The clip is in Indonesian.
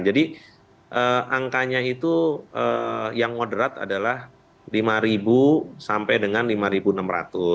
jadi angkanya itu yang moderat adalah rp lima sampai dengan rp lima enam ratus